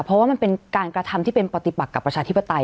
เพราะเป็นการกระทำที่เป็นปฏิปักกับประชาทิศปไตย